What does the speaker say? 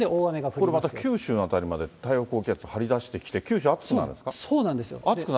これまた、九州の辺りまで太平洋高気圧張り出してきて、九州暑くなるんですか？